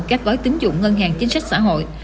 các gói tính dụng ngân hàng chính sách xã hội